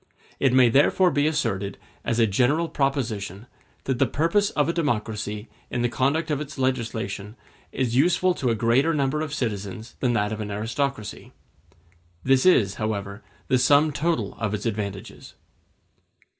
It may therefore be asserted, as a general proposition, that the purpose of a democracy in the conduct of its legislation is useful to a greater number of citizens than that of an aristocracy. This is, however, the sum total of its advantages.